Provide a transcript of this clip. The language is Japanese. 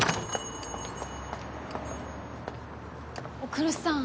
来栖さん